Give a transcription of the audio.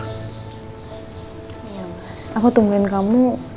iya mas aku tungguin kamu